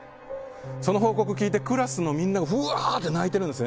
その報告聞いて、クラスのみんなうわーって泣いてるんです。